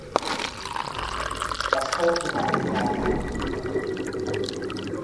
Was folgte, war eine klare Kampfansage.